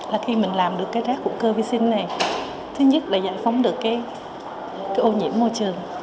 là khi mình làm được cái rác hữu cơ vi sinh này thứ nhất là giải phóng được cái ô nhiễm môi trường